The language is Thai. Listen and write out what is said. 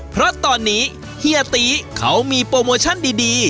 เพราะตอนนี้เฮียตีเขามีโปรโมชั่นดี